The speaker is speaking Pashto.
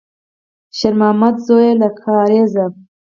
شېرمامده زویه، له کارېزه!